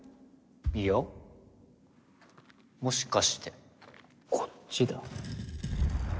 いやもしかしてこっちだ。